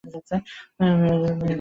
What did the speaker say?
সে বড়ো মেয়ের বিপরীত বলিলেই হয়।